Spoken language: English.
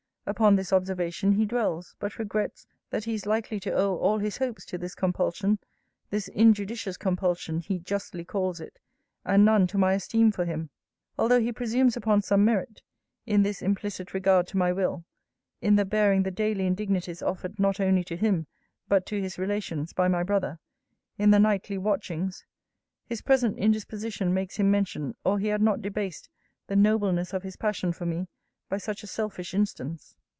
Upon this observation he dwells; but regrets, that he is likely to owe all his hopes to this compulsion; this injudicious compulsion, he justly calls it; and none to my esteem for him. Although he presumes upon some merit in this implicit regard to my will in the bearing the daily indignities offered not only to him, but to his relations, by my brother in the nightly watchings, his present indisposition makes him mention, or he had not debased the nobleness of his passion for me, by such a selfish instance.'